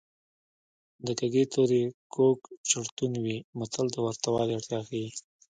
د کږې تورې کوږ چړتون وي متل د ورته والي اړتیا ښيي